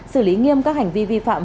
xử lý nghiêm các hành vi vi phạm